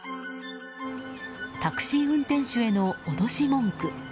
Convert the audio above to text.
タクシー運転手への脅し文句。